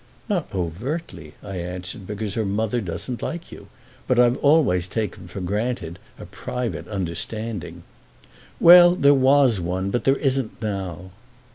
"Not overtly," I answered, "because her mother doesn't like you. But I've always taken for granted a private understanding." "Well, there was one. But there isn't now."